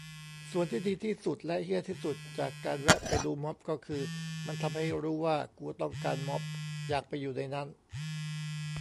ส่วนที่ดีที่สุดและเหี้ยที่สุดจากการแวะไปดูม็อบก็คือ มันทำให้รู้ว่ากูต้องการม็อบ อยากไปอยู่ในนั้น